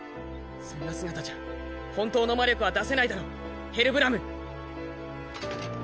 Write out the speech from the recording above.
そんな姿じゃ本当の魔力は出せないだろヘルブラム。